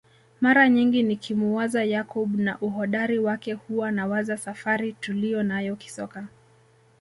Mara nyingi nikimuwaza Yakub na uhodari wake huwa nawaza safari tuliyonayo kisoka